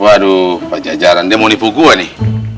waduh pak jajaran dia mau nipu gue nih